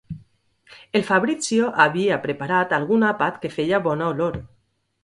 El Fabrizio havia preparat algun àpat que feia bona olor.